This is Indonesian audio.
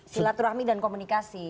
silaturahmi dan komunikasi